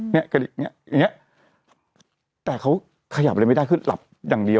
มีความหวังในชีวิตขึ้นมาเนี่ย